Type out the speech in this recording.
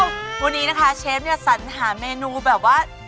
วันนี้นะคะเชฟสัญฉาเมนูแบบว่า